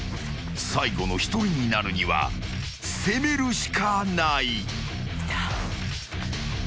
［最後の１人になるには攻めるしかない］